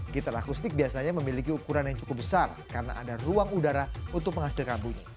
gitar akustik biasanya memiliki ukuran yang cukup besar karena ada ruang udara untuk menghasilkan bunyi